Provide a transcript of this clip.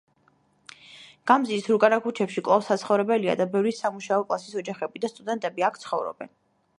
გამზირის უკანა ქუჩები კვლავ საცხოვრებელია და ბევრი სამუშაო კლასის ოჯახები და სტუდენტები, აქ ცხოვრობენ.